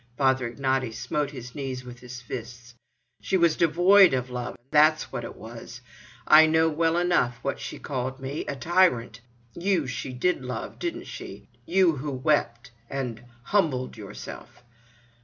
Father Ignaty smote his knees with his fists. "She was devoid of love—that's what it was! I know well enough what she called me—a tyrant. You she did love, didn't she? You who wept, and——humbled yourself?"